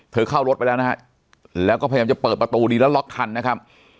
เข้ารถไปแล้วนะฮะแล้วก็พยายามจะเปิดประตูนี้แล้วล็อกทันนะครับ